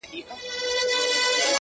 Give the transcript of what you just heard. • یا د دوی په څېر د زور، عقل څښتن وي ,